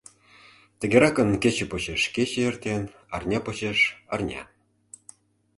...Тыгеракын кече почеш кече эртен, арня почеш — арня...